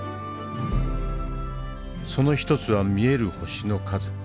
その一つは見える星の数。